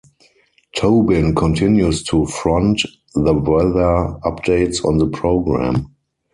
Tobin continues to front the weather updates on the programme.